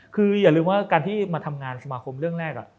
คืออย่าลืมว่าการที่มาทำงานสมาคมเรื่องแรก